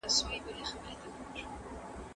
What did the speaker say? په ماشومتوب کي کیسې اورېدل خوند راکوي.